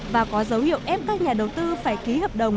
và có dấu hiệu ép các nhà đầu tư phải ký hợp đồng